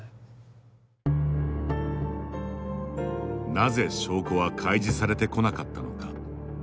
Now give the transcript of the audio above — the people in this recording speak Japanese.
なぜ証拠は開示されてこなかったのか。